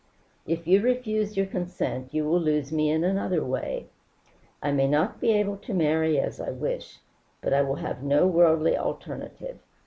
"If you refuse your consent you will lose me in another way. I may not be able to marry as I wish, but I will have no worldly alternative.